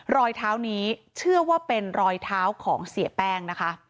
รอยเท้านี้เชื่อว่าเป็นรอยเท้าของเสียแป้งนะคะ